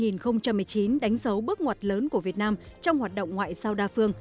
năm hai nghìn một mươi chín đánh dấu bước ngoặt lớn của việt nam trong hoạt động ngoại giao đa phương